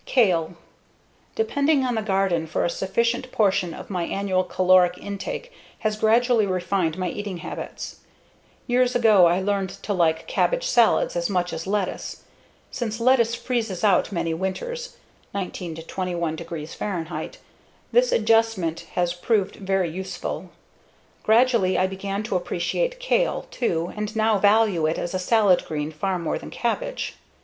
Kale Depending on the garden for a significant portion of my annual caloric intake has gradually refined my eating habits. Years ago I learned to like cabbage salads as much as lettuce. Since lettuce freezes out many winters (19 21 degree F), this adjustment has proved very useful. Gradually I began to appreciate kale, too, and now value it as a salad green far more than cabbage.